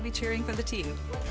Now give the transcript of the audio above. jadi kami akan mengecewakan tim